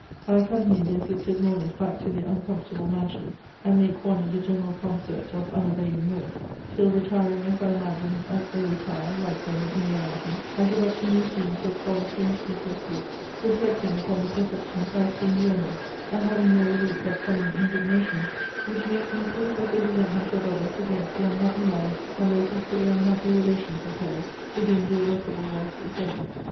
I accompany the afflicted mourners back to their uncomfortable mansion; and make one in the general concert of unavailing woe; till retiring as I imagine, as they retire, like them, in reality, I give up to new scenes of solitary and sleepless grief; reflecting upon the perfections I have seen the end of; and having no relief but from an indignation, which makes me approve of the resentments of others against the unhappy man, and those equally unhappy relations of her's, to whom the irreparable loss is owing.